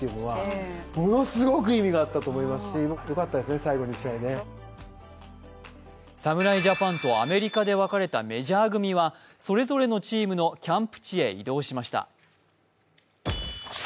村上選手については侍ジャパンとアメリカで別れたメジャー組はそれぞれのチームのキャンプ地へ移動しました。